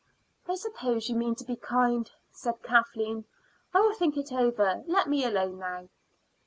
"I suppose you mean to be kind," said Kathleen. "I will think it over. Let me alone now."